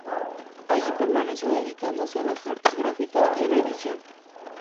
Allí permaneció dedicándose a las artes gráficas y a la edición.